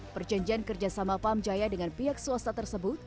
perjanjian kerjasama pam jaya dengan pihak swasta tersebut